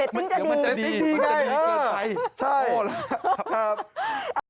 เหล็ตติ้งจะดีใกล้เออใช่ครับละ